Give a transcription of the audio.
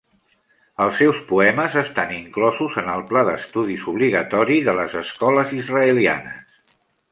Els seus poemes estan inclosos en el pla d'estudis obligatori de les escoles israelianes.